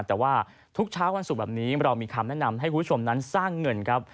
แต่ว่าทุกเช้าวันศุกร์แบบนี้เรามีคำแนะนำให้คุณผู้ชมนั้นสร้างเงินครับ